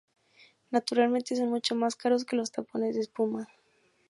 Naturalmente, son mucho más caros que los tapones de espuma.